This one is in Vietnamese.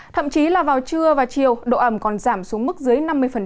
thậm chí là vào trưa và chiều độ ẩm còn giảm xuống mức dưới năm mươi